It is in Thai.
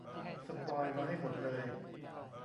สปอยล์มาให้หมดเลย